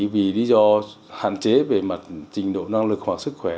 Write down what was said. vì lý do hạn chế về mặt trình độ năng lực và sức khỏe